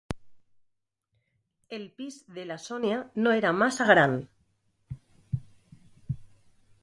El pis de la Sònia no era massa gran.